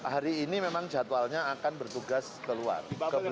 hari ini memang jadwalnya akan bertugas ke luar ke belitung